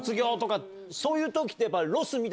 そういう時ってやっぱ。